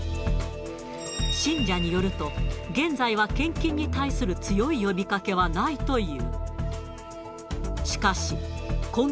信者によると、現在は献金に対する強い呼びかけはないという。